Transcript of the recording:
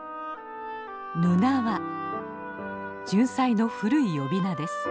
ジュンサイの古い呼び名です。